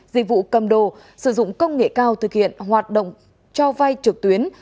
dịch vụ cầm đồ sử dụng công nghệ cao thực hiện hoạt động cho vay trực tuyến